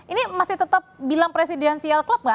ini masih tetap bilang presidensial club nggak